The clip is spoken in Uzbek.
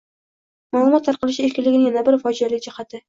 Maʼlumot tarqalishi erkinligining yana bir foydali jihati.